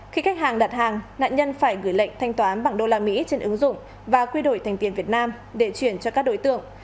khi khách hàng đặt hàng nạn nhân phải gửi lệnh thanh toán bằng đô la mỹ trên ứng dụng và quy đổi thành tiền việt nam để chuyển cho các đối tượng